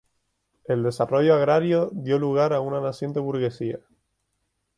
El desarrollo agrario dio lugar a una naciente burguesía.